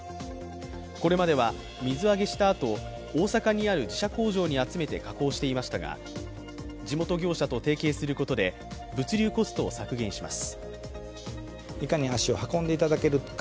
これまでは水揚げしたあと大阪にある自社工場に集めて加工していましたが地元業者と提携することで物流コストを削減します。